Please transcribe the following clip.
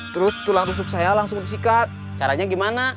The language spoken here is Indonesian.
terus tulang tusuk saya langsung disikat caranya gimana